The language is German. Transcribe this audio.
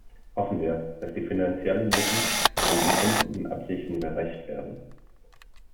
Hoffen wir, dass die finanziellen Mittel den bekundeten Absichten gerecht werden.